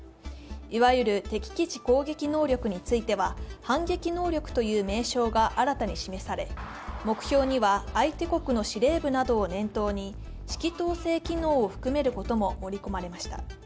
いわゆる敵基地攻撃能力については反撃能力という名称が新たに示され、目標には相手国の司令部などを念頭に指揮統制機能を含めることも盛り込まれました。